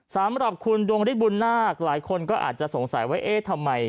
สำหรับคุณดวงฤทธบุญนาคหลายคนก็อาจจะสงสัยว่าเอ๊ะทำไม